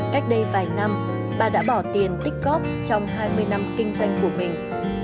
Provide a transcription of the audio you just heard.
cách đây vài năm bà đã bỏ tiền tích góp trong hai mươi năm kinh doanh của mình